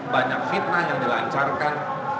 banyak fitnah yang dilancarkan